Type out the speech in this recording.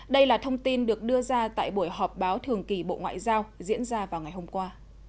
đây là thông tin được đưa ra tại buổi họp báo thường kỳ bộ ngoại giao diễn ra vào ngày hôm qua